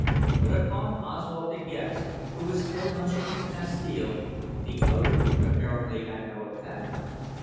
But upon Oswald De Gex, who was still munching his pastille, the odour apparently had no effect.